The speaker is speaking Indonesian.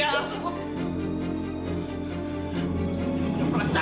mak makasih perasaan satria